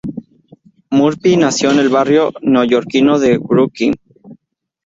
Murphy nació en el barrio neoyorquino de Brooklyn.